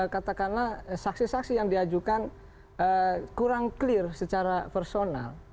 karena saksi saksi yang diajukan kurang clear secara personal